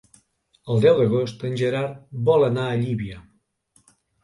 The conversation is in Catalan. El deu d'agost en Gerard vol anar a Llívia.